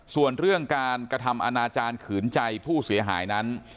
ส่วนเรื่องการกระทำอนาจารย์ขืนใจผู้เสียหายนั้น